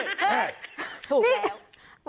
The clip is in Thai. ถูกแล้ว